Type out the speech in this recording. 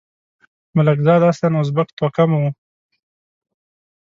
ملکزاد اصلاً ازبک توکمه وو.